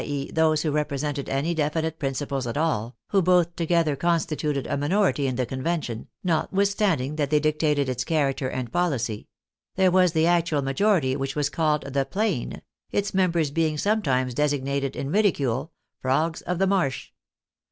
e., those who represented any definite principles at all, who both together constituted a minority in the Convention, notwithstanding that they dictated its character and policy — there was the actual majority which was called the Plain, its members being sometimes designated, in ridicule, " frogs of the marsh."